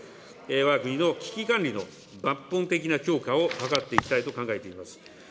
わが国の危機管理の抜本的な強化を図っていきたいと考えています。